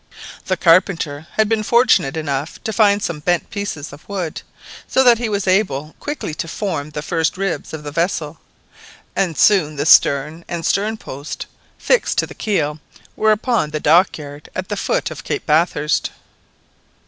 The carpenter had been fortunate enough to find some bent pieces of wood, so that he was able quickly to form the first ribs of the vessel, and soon the stern and sternpost, fixed to the keel, were upon the dockyard at the foot of Cape Bathurst.